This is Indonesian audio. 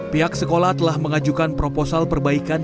pihak sekolah telah mengajukan proposal perbaikan